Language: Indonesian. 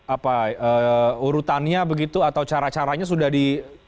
apa urutannya begitu atau cara caranya sudah di